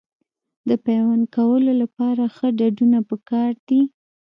د پیوند کولو لپاره ښه ډډونه پکار دي.